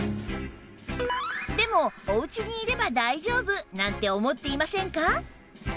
でもおうちにいれば大丈夫なんて思っていませんか？